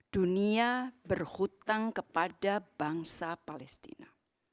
dunia berhutang kepada bangsa palestina